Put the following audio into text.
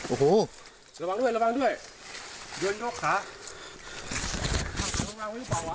โอ้โหระวังด้วยระวังด้วยเดี๋ยวนกขา